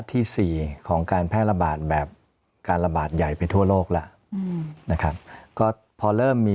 ที่สี่ของการแพร่ระบาดแบบการระบาดใหญ่ไปทั่วโลกแล้วนะครับก็พอเริ่มมี